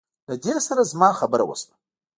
له دې سره زما خبره وشوه.